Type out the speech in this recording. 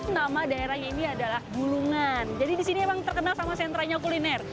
nama daerahnya ini adalah gulungan jadi disini emang terkenal sama sentranya kuliner